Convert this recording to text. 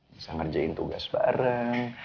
bisa ngerjain tugas bareng